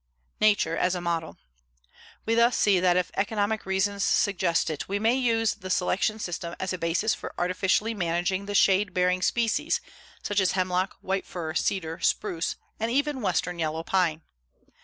NATURE AS A MODEL We thus see that if economic reasons suggest it, we may use the selection system as a basis for artificially managing the shade bearing species such as hemlock, white fir, cedar, spruce, and even Western yellow pine.